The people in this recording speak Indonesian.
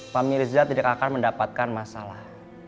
pak mirja tidak akan mendapatkan masalah